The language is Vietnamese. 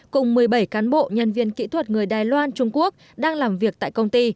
cùng một mươi bảy cán bộ nhân viên kỹ thuật người đài loan trung quốc đang làm việc tại công ty